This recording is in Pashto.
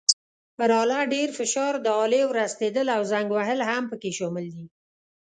پر آله ډېر فشار، د آلې ورستېدل او زنګ وهل هم پکې شامل دي.